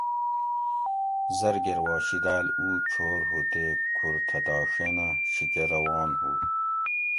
زرگۤر وا شیداۤل اُو چھور ہُو تے کُھور تتھاڛینہ شیکہ روان ہُو